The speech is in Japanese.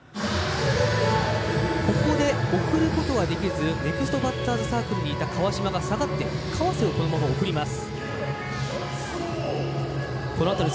送ることはできずネクストバッターズサークルにいた川島が下がって川瀬をそのまま送ります。